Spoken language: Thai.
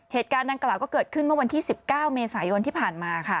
เหตุการณ์ดังกล่าวก็เกิดขึ้นเมื่อวันที่๑๙เมษายนที่ผ่านมาค่ะ